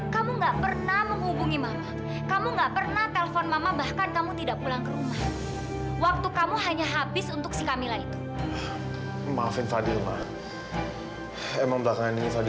kami tetap tidak bisa melakukannya